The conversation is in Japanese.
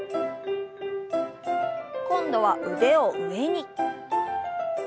今度は腕を上に。